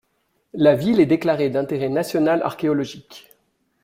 La ville est déclarée d'intérêt national archéologique.